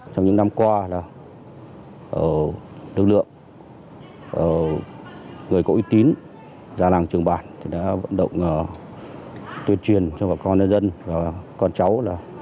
trong những năm qua lực lượng người có uy tín ra làng trường bản đã vận động tuyên truyền cho bà con nhân dân và con cháu